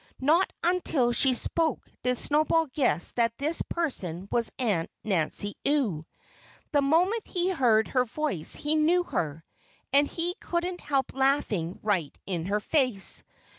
Not until she spoke did Snowball guess that this person was Aunt Nancy Ewe. The moment he heard her voice he knew her. And he couldn't help laughing right in her face.